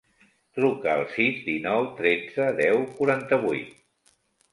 Truca al sis, dinou, tretze, deu, quaranta-vuit.